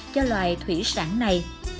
cho loài thủy sản này